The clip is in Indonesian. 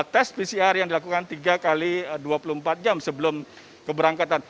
tes pcr yang dilakukan tiga x dua puluh empat jam sebelum keberangkatan